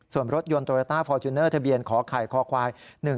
ส่วนรถยนต์โตโยต้าฟอร์จูเนอร์ทะเบียนขอไข่คอควาย๑๒